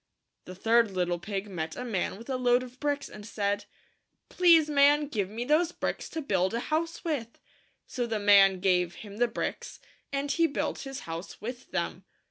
The third little pig met a man with a load of bricks, and said, " Please, man, give me those bricks to build a house with so the man gave him the bricks, and he built his house with them.